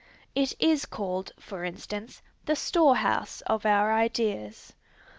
It is called, for instance, the "storehouse of our ideas."